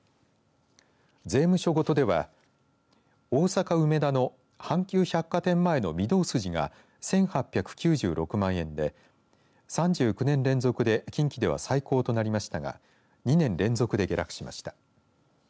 税務署ごとでは大阪、梅田の阪急百貨店前の御堂筋が１８９６万円で３９年連続で近畿では最高となりましたが２年連絡で下落しました。